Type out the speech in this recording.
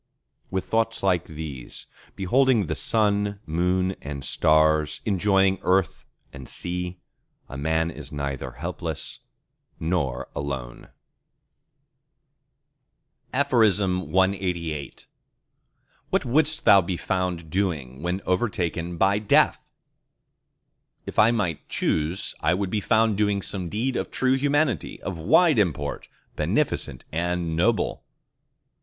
With thoughts like these, beholding the Sun, Moon, and Stars, enjoying earth and sea, a man is neither helpless nor alone! CLXXXIX What wouldst thou be found doing when overtaken by Death? If I might choose, I would be found doing some deed of true humanity, of wide import, beneficent and noble.